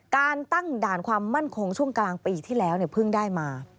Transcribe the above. การตั้งด่านความมั่นคงช่วงกลางปีที่แล้วเพิ่งได้มา